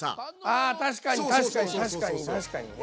あ確かに確かに確かに確かにね。